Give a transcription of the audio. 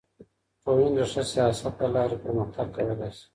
ټولنې د ښه سياست له لارې پرمختګ کولای سي.